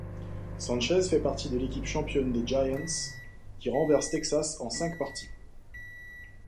Sanchez fait partie de l'équipe championne des Giants, qui renverse Texas en cinq parties.